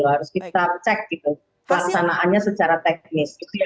harus kita cek laksanaannya secara teknis